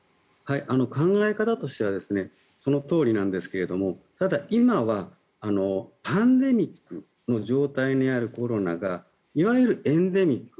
考え方としてはそのとおりなんですがただ、今はパンデミックの状態にあるコロナがいわゆるエンデミック